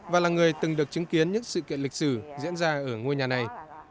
và là người từng được chứng kiến những sự kiện lịch sử diễn ra ở ngôi nhà này